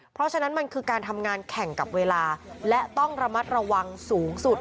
เพราะฉะนั้นมันคือการทำงานแข่งกับเวลาและต้องระมัดระวังสูงสุด